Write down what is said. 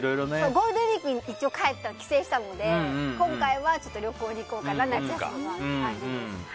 ゴールデンウィークの一応帰省したので今回は旅行に行こうかな夏休みはっていう感じです。